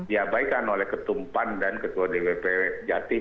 ya baik kan oleh ketum pan dan ketua dwp jatim